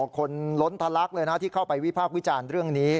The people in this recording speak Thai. คนล้นทะลักเลยนะที่เข้าไปวิพากษ์วิจารณ์เรื่องนี้